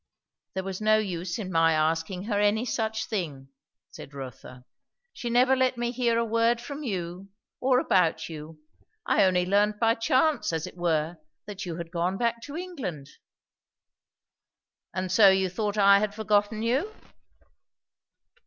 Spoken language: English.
"There was no use in my asking her any such thing,"' said Rotha. "She never let me hear a word from you or about you. I only learned by chance, as it were, that you had gone back to England." "And so you thought I had forgotten you?"